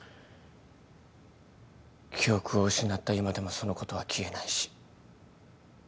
記憶を失った今でもそのことは消えないし。